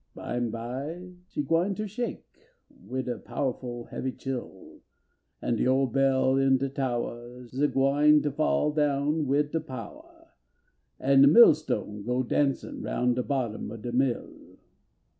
Bime by she gwine ter shake Wid a pow ful heavy chill ; An de ole bell in de towah S gwine to fall down wid de powah, An de millstones go dancin Ronn de bottom ob de mill.